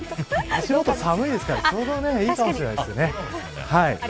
足元寒いから、ちょうどいいかもしれないですね。